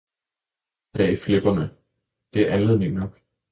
sagde flipperne, det er anledning nok!